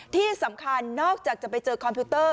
ที่สำคัญนอกจากจะไปเจอคอมพิวเตอร์